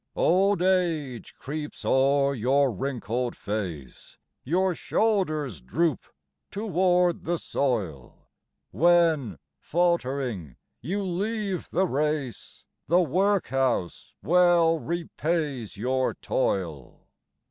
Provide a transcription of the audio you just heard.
Old age creeps o'er your wrinkled face, Your shoulders droop toward the soil; When, faltering, you leave the race, The workhouse well repays your toil.